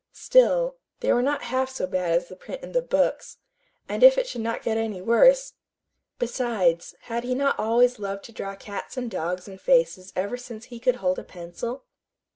Still, they were not half so bad as the print in books; and if it should not get any worse Besides, had he not always loved to draw cats and dogs and faces ever since he could hold a pencil?